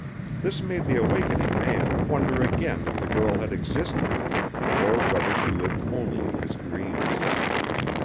This made the awakening man wonder again if the girl had existed, or whether she lived only in his dreams.